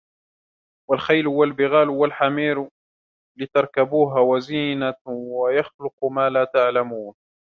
وَالْخَيْلَ وَالْبِغَالَ وَالْحَمِيرَ لِتَرْكَبُوهَا وَزِينَةً وَيَخْلُقُ مَا لَا تَعْلَمُونَ